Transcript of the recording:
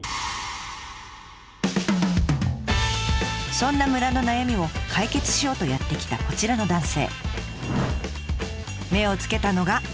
そんな村の悩みを解決しようとやって来たこちらの男性。